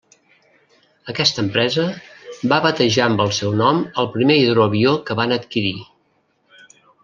Aquesta empresa va batejar amb el seu nom el primer hidroavió que van adquirir.